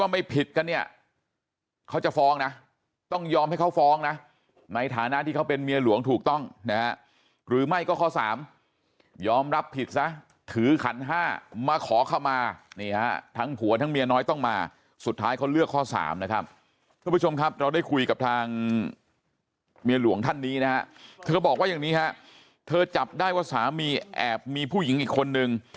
ไม่ผิดกันเนี่ยเขาจะฟ้องนะต้องยอมให้เขาฟ้องนะในฐานะที่เขาเป็นเมียหลวงถูกต้องนะฮะหรือไม่ก็ข้อสามยอมรับผิดซะถือขันห้ามาขอเข้ามานี่ฮะทั้งผัวทั้งเมียน้อยต้องมาสุดท้ายเขาเลือกข้อสามนะครับทุกผู้ชมครับเราได้คุยกับทางเมียหลวงท่านนี้นะฮะเธอบอกว่าอย่างนี้ฮะเธอจับได้ว่าสามีแอบมีผู้หญิงอีกคนนึง